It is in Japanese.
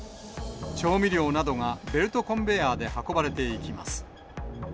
調味料などがベルトコンベヤーで運ばれていきます。